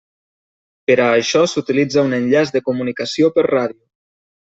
Per a això s'utilitza un enllaç de comunicació per ràdio.